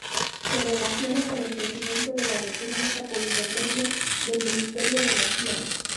Se relaciona con el Presidente de la República por intermedio del Ministerio de Energía.